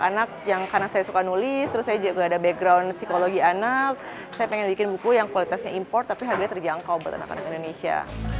anak yang karena saya suka nulis terus saya juga ada background psikologi anak saya pengen bikin buku yang kualitasnya import tapi harganya terjangkau buat anak anak indonesia